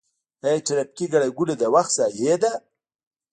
آیا ټرافیکي ګڼه ګوڼه د وخت ضایع ده؟